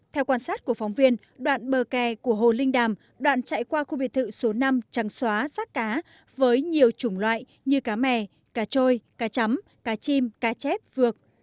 theo quan sát của phóng viên đoạn bờ kè của hồ linh đàm đoạn chạy qua khu biệt thự số năm trắng xóa rác cá với nhiều chủng loại như cá mè cá trôi cá chấm cá chim cá chép vược